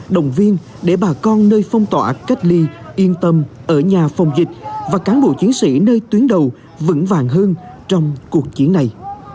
đồng viên để bà con nơi phong tỏa cách ly yên tâm ở nhà phòng dịch và cán bộ chiến sĩ nơi tuyến đầu vững vàng hơn trong cuộc chiến này